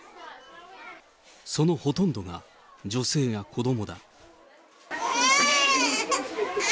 そのほとんどが女性や子どもだ。